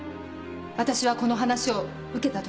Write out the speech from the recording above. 私はこの話を受けたとき